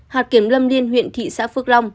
hạt kiểm lâm liên huyện thị xã phước long